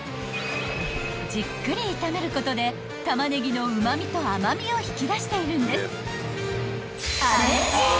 ［じっくり炒めることでタマネギのうま味と甘みを引き出しているんです］